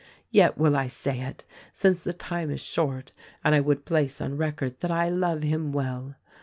Yet will I say it, since the time is short and I would place on record that I love him well.